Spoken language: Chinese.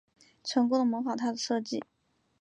成功的模仿他的设计